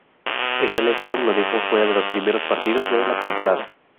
Esta lesión lo dejó fuera de los primeros partidos de la temporada.